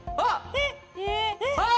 えっ。